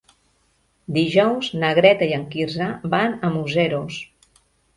Dijous na Greta i en Quirze van a Museros.